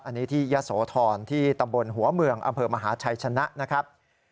อันนี้ที่ยะโสธรที่ตำบลหัวเมืองอำเภอมหาชัยชนะนะครับ